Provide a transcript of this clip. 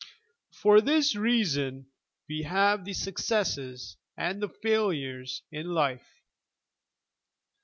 For this reason we have the successes and the failures in life.